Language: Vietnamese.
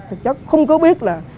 thực chất không có biết là